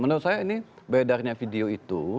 menurut saya ini beredarnya video itu